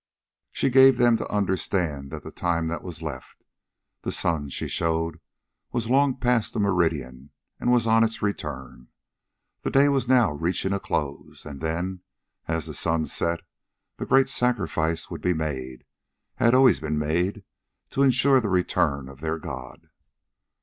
She gave them to understand the time that was left. The sun, she showed, was long past the meridian and was on its return. The day was now reaching a close. And then, as the sun set, the great sacrifice would be made had always been made to insure the return of their god.